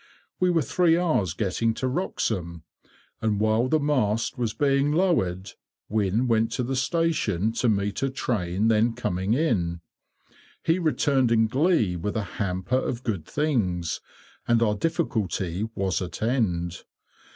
We were three hours getting to Wroxham, and while the mast was being lowered, Wynne went to the station to meet a train then coming in. He returned in glee with a hamper of good things, and our difficulty was at end.